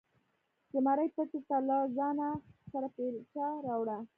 زمري پټي ته له ځانه سره بیلچه راوړه.